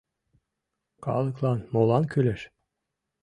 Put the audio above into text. Калыклан молан кӱлеш.